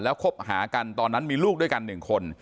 คบหากันตอนนั้นมีลูกด้วยกัน๑คน